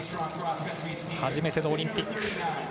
初めてのオリンピック。